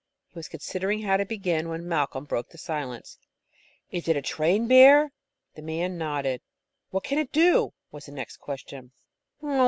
He was considering how to begin, when Malcolm broke the silence. "Is that a trained bear?" The man nodded. "What can it do?" was the next question.